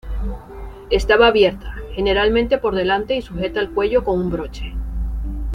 Estaba abierta, generalmente por delante y sujeta al cuello con un broche.